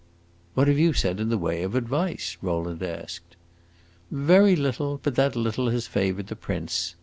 "What have you said in the way of advice?" Rowland asked. "Very little, but that little has favored the prince.